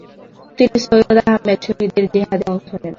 তিনি সৈয়দ আহমদ শহীদের জিহাদে অংশ নেন।